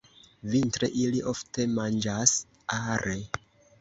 Vintre ili ofte manĝas are.